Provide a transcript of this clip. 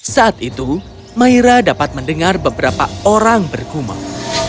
saat itu maira dapat mendengar beberapa orang bergumang